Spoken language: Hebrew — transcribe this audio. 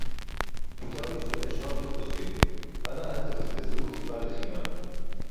מֻתָּר לְהִשְׁתַּמֵּשׁ רַק בִּבְרָזִים. אָנָּא אַל תְּבַזְבְּזוּ טִפָּה לְחִנָּם.